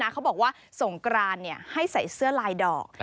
เขาบอกว่าสงกรานให้ใส่เสื้อลายดอก